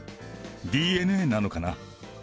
ＤＮＡなのかな。